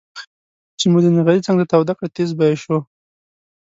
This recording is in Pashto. چې مو د نغري څنګ ته توده کړه تيزززز به یې شو.